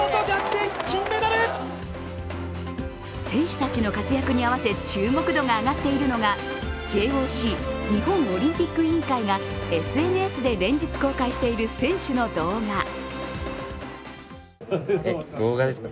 選手たちの活躍に合わせ注目度が上がっているのがＪＯＣ＝日本オリンピック委員会がＳＮＳで連日公開している選手の動画。